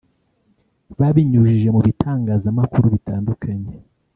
Babinyujije mu bitangazamakuru bitandukanye